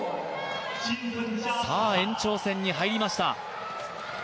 延長戦に入りました。